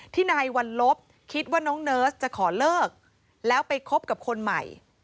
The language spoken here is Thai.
นายวัลลบคิดว่าน้องเนิร์สจะขอเลิกแล้วไปคบกับคนใหม่